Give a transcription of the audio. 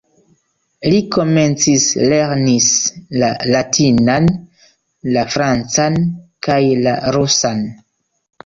Li komencis lerni la latinan, la francan kaj la rusan.